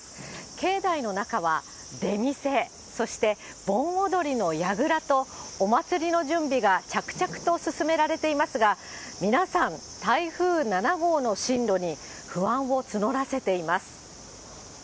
境内の中は出店、そして盆踊りのやぐらと、お祭りの準備が着々と進められていますが、皆さん、台風７号の進路に、不安を募らせています。